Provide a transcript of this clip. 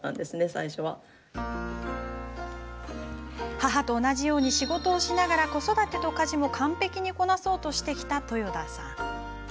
母と同じように、仕事をしながら子育てと家事も完璧にこなそうとしてきた豊田さん。